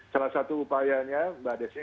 salah satu upayanya mbak desi